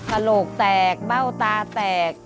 โหลกแตกเบ้าตาแตก